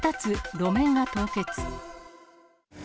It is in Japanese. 路面が凍結。